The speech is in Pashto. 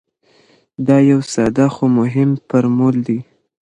دا یو ساده خو مهم فرمول دی.